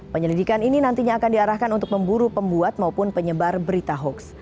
penyelidikan ini nantinya akan diarahkan untuk memburu pembuat maupun penyebar berita hoax